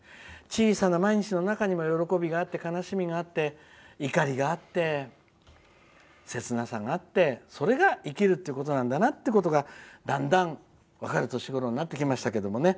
小さな毎日の中にも喜び、悲しみがあって怒りがあって、切なさがあってそれが生きるということなんだなってことがだんだん分かる年頃になってきましたけどね。